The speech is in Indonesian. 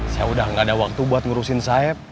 saya udah gak ada waktu buat ngurusin sayap